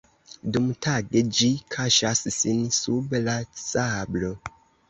Dumtage ĝi kaŝas sin sub la sablo.